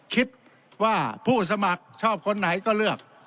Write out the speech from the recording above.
คิดว่าผู้สมัครชอบคนไหนก็เลือก